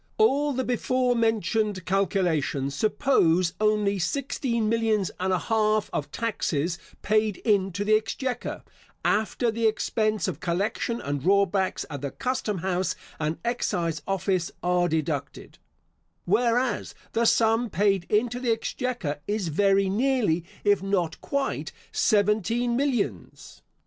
All the before mentioned calculations suppose only sixteen millions and an half of taxes paid into the exchequer, after the expense of collection and drawbacks at the custom house and excise office are deducted; whereas the sum paid into the exchequer is very nearly, if not quite, seventeen millions.